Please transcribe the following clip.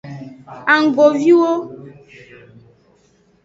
Anggoviwo.